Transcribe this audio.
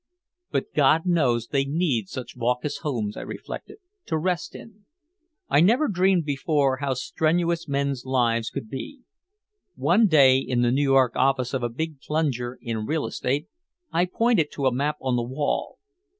"But God knows they need such vacuous homes," I reflected, "to rest in." I had never dreamed before how strenuous men's lives could be. One day in the New York office of a big plunger in real estate I pointed to a map on the wall.